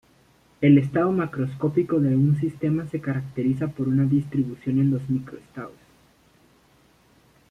El estado macroscópico de un sistema se caracteriza por una distribución en los microestados.